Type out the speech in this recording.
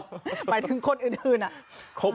หมายถึงคตอืนอ่ะ